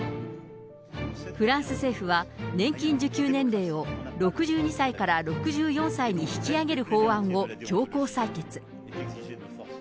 フランス政府は、年金受給年齢を、６２歳から６４歳に引き上げる法案を強行採決。